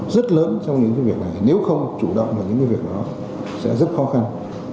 rất lớn trong những việc này nếu không chủ động vào những việc đó sẽ rất khó khăn